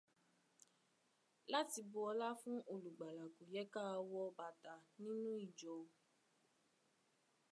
Láti bú ọlá fún olùgbàlà, kò yẹ ká wọ bàtà níjú ìjọ